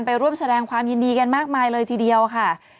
ร่วมแสดงความยินดีกันมากมายเลยทีเดียวค่ะ